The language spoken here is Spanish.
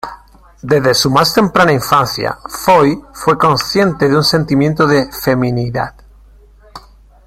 Desde su más temprana infancia Foy fue consciente de un sentimiento de ‘feminidad'.